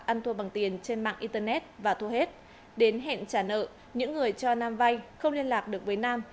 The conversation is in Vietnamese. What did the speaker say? ăn thua bằng tiền trên mạng internet và thua hết đến hẹn trả nợ những người cho nam vay không liên lạc được với nam